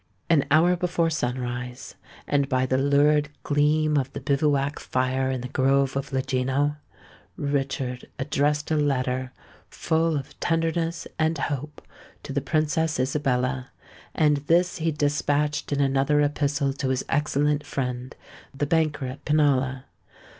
An hour before sunrise—and by the lurid gleam of the bivouac fire in the grove of Legino—Richard addressed a letter, full of tenderness and hope, to the Princess Isabella; and this he despatched in another epistle to his excellent friend, the banker at Pinalla.